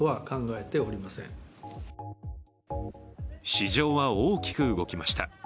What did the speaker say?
市場は大きく動きました。